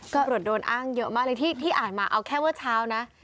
ก็โปรดโดนอ้างเยอะมากเลยที่อ่านมาเอาแค่เวิร์ดชาวนะ